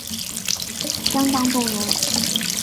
相当动人